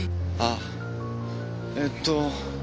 あえっと。